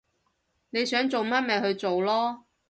你想做乜咪去做囉